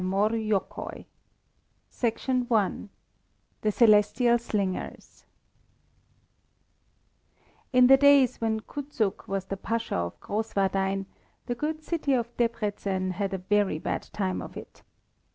TALES FROM JÓKAI I THE CELESTIAL SLINGERS In the days when Kuczuk was the Pasha of Grosswardein, the good city of Debreczen had a very bad time of it.